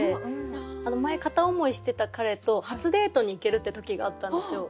前片思いしてた彼と初デートに行けるって時があったんですよ。